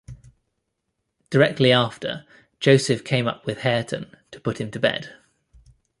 Directly after Joseph came up with Hareton, to put him to bed.